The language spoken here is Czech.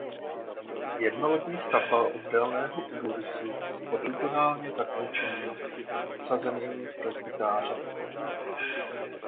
Jednolodní stavba obdélného půdorysu s polygonálně zakončeným odsazeným presbytářem.